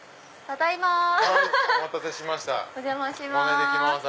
お邪魔します。